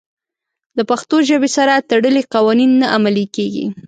د پښتو ژبې سره تړلي قوانین نه عملي کېږي.